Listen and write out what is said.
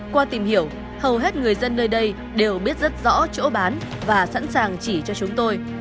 qua tìm hiểu hầu hết người dân nơi đây đều biết rất rõ chỗ bán và sẵn sàng chỉ cho chúng tôi